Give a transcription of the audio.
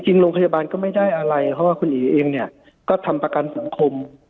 โรงพยาบาลก็ไม่ได้อะไรเพราะว่าคุณเอ๋เองเนี่ยก็ทำประกันสังคม